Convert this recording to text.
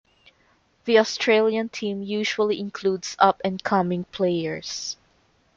The Australian team usually includes up and coming players.